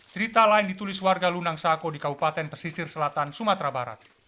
cerita lain ditulis warga lunang sako di kabupaten pesisir selatan sumatera barat